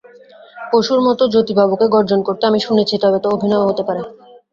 পশুর মতো জ্যোতিবাবুকে গর্জন করতে আমি শুনেছি, তবে তা অভিনয়ও হতে পারে।